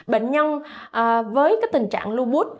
bệnh nhân với tình trạng lupus